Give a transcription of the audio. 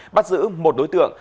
bắt giữ một đối tượng